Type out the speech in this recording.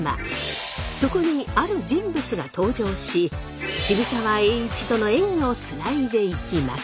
そこにある人物が登場し渋沢栄一との縁をつないでいきます。